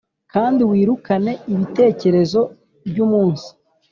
kandi wirukane ibitekerezo byumunsi.